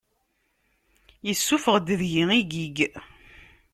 Isuffeɣ-d deg-i igig.